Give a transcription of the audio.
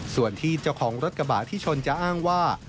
ส่วนที่เจ้าของรถกระบะที่ชนจะอ้างว่า